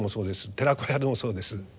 寺子屋でもそうです。